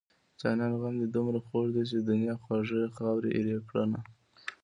جانانه غم دې دومره خوږ دی چې د دنيا خواږه يې خاورې ايرې کړنه